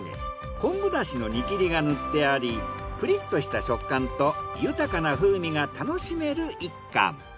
昆布だしの煮きりが塗ってありプリッとした食感と豊かな風味が楽しめる一貫。